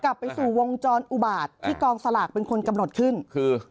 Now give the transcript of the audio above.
กลับไปสู่วงจรอุบาตที่กองสลากเป็นคนกำหนดขึ้นคือ